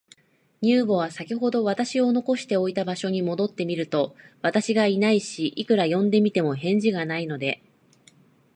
乳母は、さきほど私を残しておいた場所に戻ってみると、私がいないし、いくら呼んでみても、返事がないので、